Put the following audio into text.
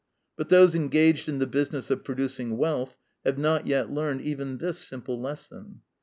But those engaged in the business of producing wealth have not yet learned even this simple lesson.